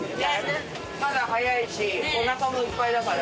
まだ早いしお腹もいっぱいだから。